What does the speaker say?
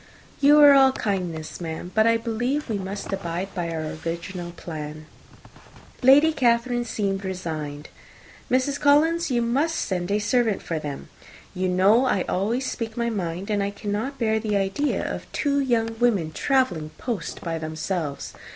"You are all kindness, madam; but I believe we must abide by our original plan." Lady Catherine seemed resigned. "Mrs. Collins, you must send a servant with them. You know I always speak my mind, and I cannot bear the idea of two young women travelling post by themselves.